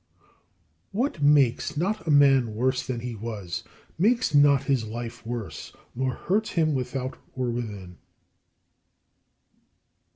8. What makes not a man worse than he was, makes not his life worse, nor hurts him without or within.